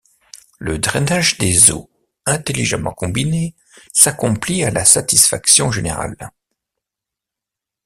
Le drainage des eaux, intelligemment combiné, s’accomplit à la satisfaction générale.